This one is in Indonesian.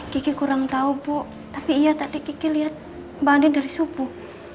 kiki kurang tau bu tapi iya tadi kiki liat mbak andin dari subuh